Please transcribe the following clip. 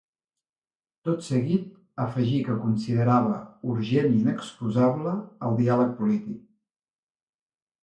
Tot seguit, afegí que considerava ‘urgent i inexcusable’ el diàleg polític.